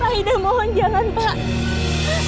pak ida mohon jangan pak